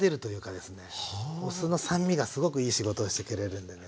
お酢の酸味がすごくいい仕事をしてくれるんでね